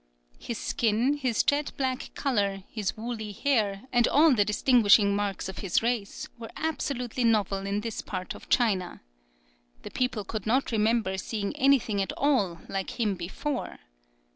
His skin, his jet black colour, his woolly hair, and all the distinguishing marks of his race, were absolutely novel in this part of China. The people could not remember seeing anything at all like him before.